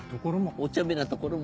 おちゃめなところも。